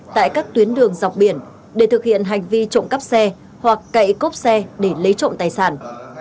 tại các tuyến đường dọc biển để thực hiện hành vi trộm cắp xe hoặc cậy cốp xe để lấy trộm tài sản